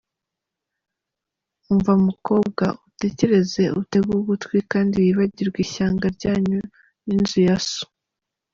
Umva mukobwa, utekereze utege ugutwi, Kandi wibagirwe ishyanga ryanyu n’inzu ya so.